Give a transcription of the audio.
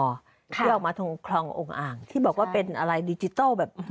ที่ออกมาตรงคลององค์อ่างที่บอกว่าเป็นอะไรดิจิทัลแบบ